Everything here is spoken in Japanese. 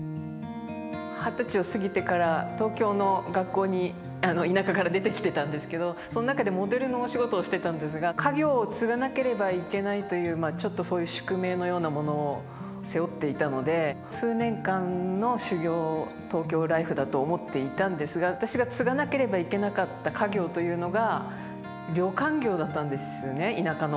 二十歳を過ぎてから東京の学校に田舎から出てきてたんですけどそん中でモデルのお仕事をしてたんですが家業を継がなければいけないというちょっとそういう宿命のようなものを背負っていたので数年間の修業東京ライフだと思っていたんですが私が継がなければいけなかった家業というのが旅館業だったんですね田舎の。